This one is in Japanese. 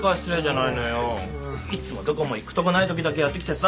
いつもどこも行くとこないときだけやって来てさ。